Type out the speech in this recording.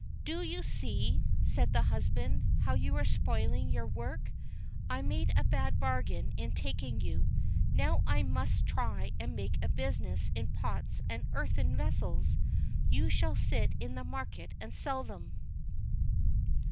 "Do you see," said the husband, "how you are spoiling your work? I made a bad bargain in taking you! Now I must try and make a business in pots and earthen vessels; you shall sit in the market and sell them."